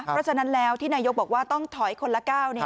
เพราะฉะนั้นแล้วที่นายกบอกว่าต้องถอยคนละก้าว